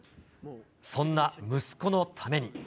そんな息子のために。